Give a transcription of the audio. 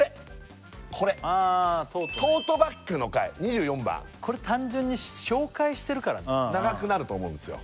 これトートバッグの回２４番これ単純に紹介してるから長くなると思うんですよ